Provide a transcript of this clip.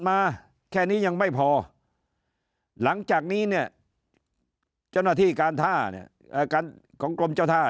มาแค่นี้ยังไม่พอหลังจากนี้เนี่ยเจ้าหน้าที่การท่าเนี่ยของกรมเจ้าท่า